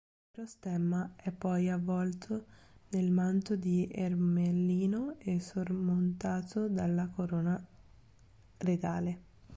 L'intero stemma è poi avvolto nel manto di ermellino e sormontato dalla corona regale.